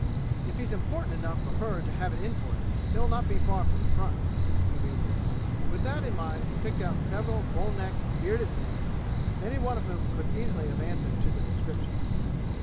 "If he's important enough for her to have it in for him, he'll not be far from the front," he reasoned and with that in mind he picked out several bull necked, bearded men, any one of whom could easily have answered to the description.